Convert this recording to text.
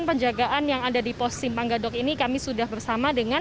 dan penjagaan yang ada di pos simpang gadok ini kami sudah bersama